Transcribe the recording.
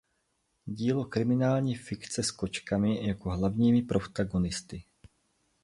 Dílo kriminální fikce s kočkami jako hlavními protagonisty.